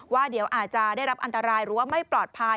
ว่าเดี๋ยวอาจจะได้รับอันตรายหรือว่าไม่ปลอดภัย